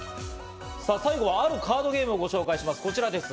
最後はあるカードゲームをご紹介します、こちらです。